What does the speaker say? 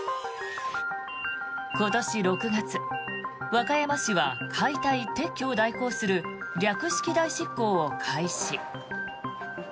今年６月、和歌山市は解体・撤去を代行する略式代執行を開始。